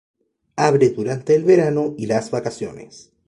Abre durante el verano y las vacaciones.